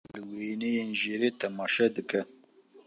Wênesazê zîrek, li wêneyên jêrê temaşe bike.